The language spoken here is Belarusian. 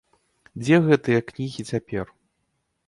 Дзе гэтыя кнігі цяпер?